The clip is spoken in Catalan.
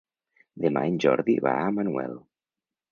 Demà en Jordi va a Manuel.